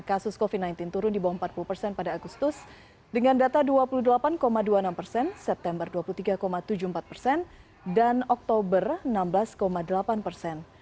kasus covid sembilan belas turun di bawah empat puluh persen pada agustus dengan data dua puluh delapan dua puluh enam persen september dua puluh tiga tujuh puluh empat persen dan oktober enam belas delapan persen